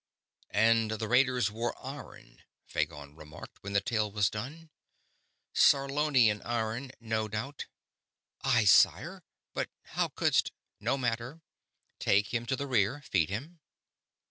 "And the raiders worn iron," Phagon remarked, when the tale was done. "Sarlonian iron, no doubt?" "Aye, sire, but how couldst ..." "No matter. Take him to the rear. Feed him."